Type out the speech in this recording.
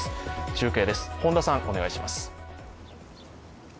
中継です、本田さん、お願いします。